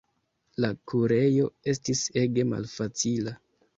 La kurejo estis ege malfacila.